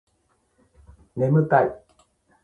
ねむたい